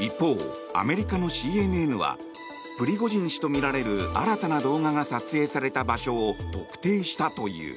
一方、アメリカのＣＮＮはプリゴジン氏とみられる新たな動画が撮影された場所を特定したという。